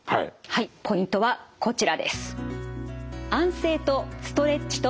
ポイントはこちらです。